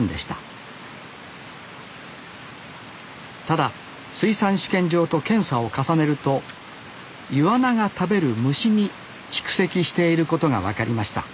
ただ水産試験場と検査を重ねるとイワナが食べる虫に蓄積していることが分かりました